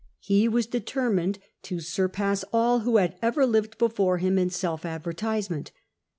He was determined to surpass all who had ever lived before him in self advertisement.